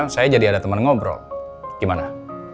saya jadi ada teman ngobrol gimana